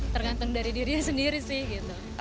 tergantung dari dirinya sendiri sih gitu